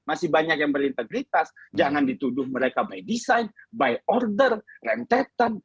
masih banyak yang berintegritas jangan dituduh mereka by design by order rentetan